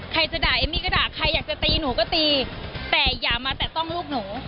ใครจะด่าเอมมี่ก็ด่าใครอยากจะตีหนูก็ตีแต่อย่ามาแตะต้องลูกหนู